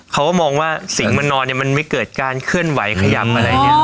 เขาก็มองว่าสิ่งมันนอนเนี่ยมันไม่เกิดการเคลื่อนไหวขยับอะไรเนี่ย